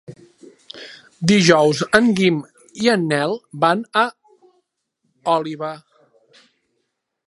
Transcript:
Dijous en Guim i en Nel van a Oliva.